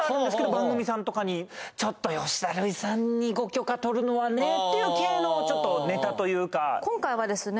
番組さんとかにちょっと吉田類さんにご許可取るのはねという系のネタというか今回はですね